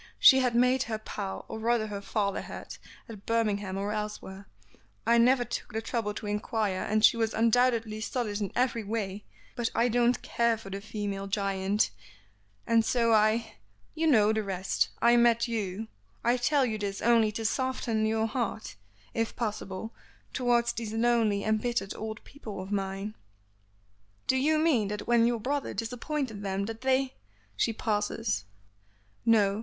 She had made her pile, or rather her father had, at Birmingham or elsewhere, I never took the trouble to inquire, and she was undoubtedly solid in every way, but I don't care for the female giant, and so I you know the rest, I met you; I tell you this only to soften your heart, if possible, towards these lonely, embittered old people of mine." "Do you mean that when your brother disappointed them that they " she pauses. "No.